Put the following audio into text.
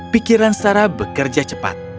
pikiran sarah bekerja cepat